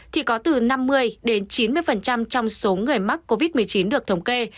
thì có từ năm mươi đến chín mươi trong số người mắc covid một mươi chín được thống kê